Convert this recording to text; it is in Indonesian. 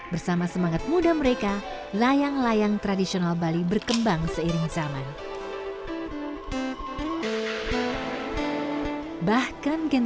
bersama semangat muda mereka layang layang tradisional bali berkembang seiring zaman